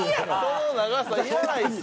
その長さいらないです。